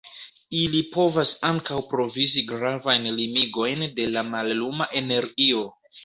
Ili povas ankaŭ provizi gravajn limigojn de la malluma energio.